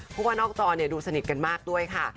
เพราะว่านอกจอดูสนิทกันมากด้วยค่ะ